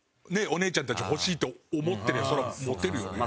お姉ちゃんたち欲しいと思ってればそれはモテるよね。